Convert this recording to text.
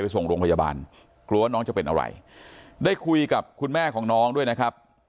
ส่งโรงพยาบาลกลัวว่าน้องจะเป็นอะไรได้คุยกับคุณแม่ของน้องด้วยนะครับ